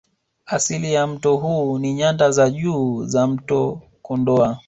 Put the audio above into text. Asili ya mto huu ni Nyanda za Juu za mto Kondoa